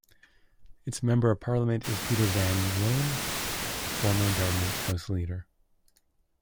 Its Member of Parliament is Peter Van Loan, the former Government House Leader.